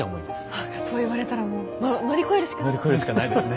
何かそう言われたらもう乗り越えるしかないですね。